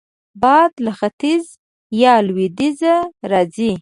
باد له ختیځ یا لوېدیځه راځي